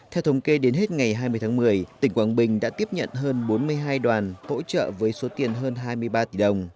theo thống kê đến hết ngày hai mươi tháng một mươi tỉnh quảng bình đã tiếp nhận hơn bốn mươi hai đoàn hỗ trợ với số tiền hơn hai mươi ba tỷ đồng